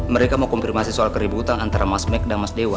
mereka mau konfirmasi soal keributan antara mas mek dan mas dewa